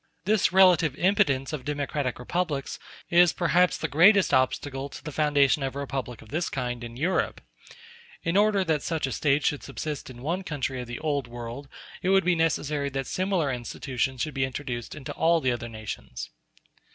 This relative impotence of democratic republics is, perhaps, the greatest obstacle to the foundation of a republic of this kind in Europe. In order that such a State should subsist in one country of the Old World, it would be necessary that similar institutions should be introduced into all the other nations.